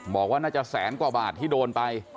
บอกว่าน่าจะแสนกว่าบาทที่โดนไป